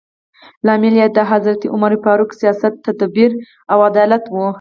لامل یې د حضرت عمر فاروق سیاست، تدبیر او عدالت و.